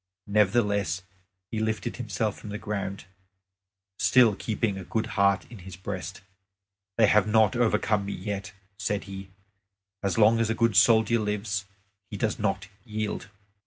Nevertheless he lifted himself from the ground, still keeping a good heart in his breast. "They have not overcome me yet," said he; "as long as a good soldier lives, he does not yield."